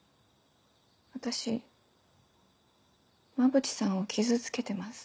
私馬淵さんを傷つけてます。